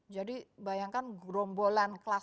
jadi bayangkan grombol